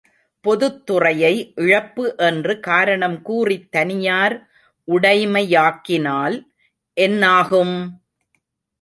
பொதுத்துறையை இழப்பு என்று காரணம் கூறித் தனியார் உடைமையாக்கினால் என்னாகும்!